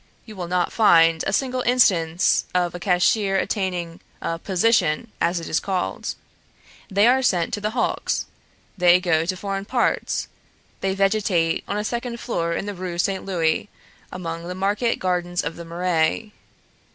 You will not find a single instance of a cashier attaining a position, as it is called. They are sent to the hulks; they go to foreign parts; they vegetate on a second floor in the Rue Saint Louis among the market gardens of the Marais.